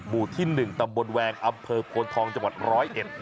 หมู่ที่๑ตำบลแวงอำเภอโพนทองจังหวัด๑๐๑